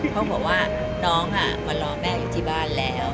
เขาบอกว่าน้องมารอแม่อยู่ที่บ้านแล้ว